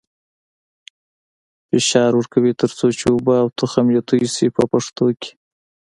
فشار ورکوي تر څو چې اوبه او تخم یې توی شي په پښتو کې.